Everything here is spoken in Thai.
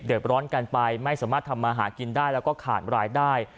ร้อนกันไปไม่สามารถทำมาหากินได้แล้วก็ขาดรายได้